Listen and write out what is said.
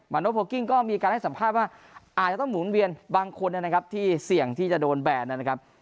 โนโพลกิ้งก็มีการให้สัมภาษณ์ว่าอาจจะต้องหมุนเวียนบางคนนะครับที่เสี่ยงที่จะโดนแบนนะครับ